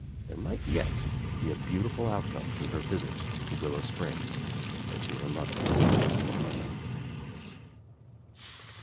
There might yet be a beautiful outcome to her visit to Willow Springs and to her mother.